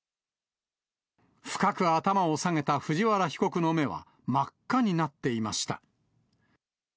深く頭を下げた藤原被告の目は真っ赤になっていました。